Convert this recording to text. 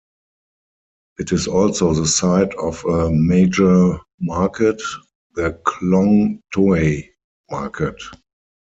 It is also the site of a major market, the Khlong Toei Market.